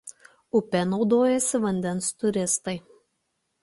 Upe naudojasi vandens turistai.